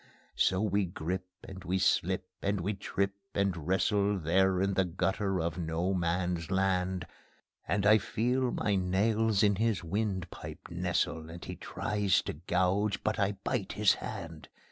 So we grip and we slip and we trip and wrestle There in the gutter of No Man's Land; And I feel my nails in his wind pipe nestle, And he tries to gouge, but I bite his hand.